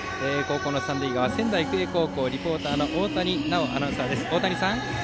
三塁側仙台育英高校リポーターの大谷奈央アナウンサーです。